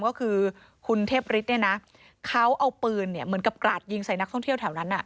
ก็คือคุณเทพฤทธิ์เนี่ยนะเขาเอาปืนเหมือนกับกราดยิงใส่นักท่องเที่ยวแถวนั้น